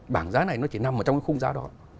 bảng giá này nó chỉ nằm ở trong cái khung giá đó